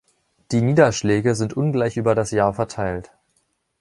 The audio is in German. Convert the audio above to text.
Die Niederschläge sind ungleich über das Jahr verteilt.